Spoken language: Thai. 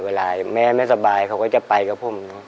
เวลาแม่ไม่สบายเขาก็จะไปกับผม